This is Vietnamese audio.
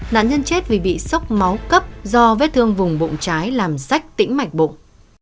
nạn nhân chết vì bị sốc máu cấp do vết thương vùng bụng trái làm sách tĩnh mạch bụng